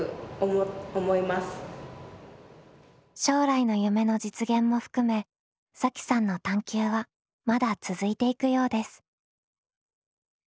将来の夢の実現も含めさきさんの探究はまだ続いていくようです。